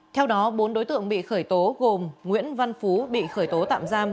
theo đó bốn đối tượng bị khởi tố gồm nguyễn văn phú bị khởi tố tạm giam